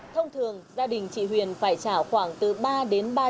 thông thường gia đình chị huyền phải trả khoảng từ ba đến năm lần